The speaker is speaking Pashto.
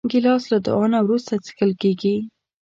ګیلاس له دعا نه وروسته څښل کېږي.